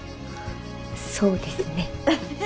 そうですね。